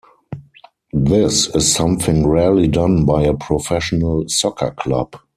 This is something rarely done by a professional soccer club.